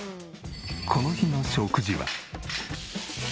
この日の食事は。